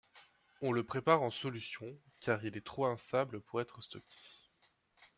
On le prépare en solution, car il est trop instable pour être stocké.